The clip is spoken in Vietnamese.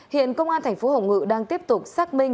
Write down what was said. hiện công an tp hồng ngự đang tiếp tục xác minh